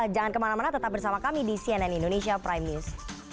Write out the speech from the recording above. jangan kemana mana tetap bersama kami di cnn indonesia prime news